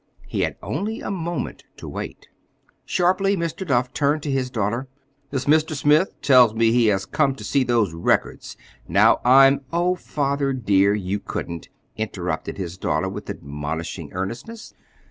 He had only a moment to wait. Sharply Mr. Duff turned to his daughter. "This Mr. Smith tells me he has come to see those records. Now, I'm—" "Oh, father, dear, you couldn't!" interrupted his daughter with admonishing earnestness.